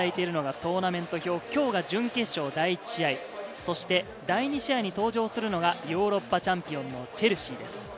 今日が準決勝第１試合、そして第２試合に登場するのがヨーロッパチャンピオンのチェルシーです。